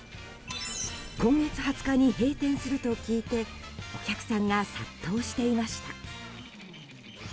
今月２０日に閉店すると聞いてお客さんが殺到していました。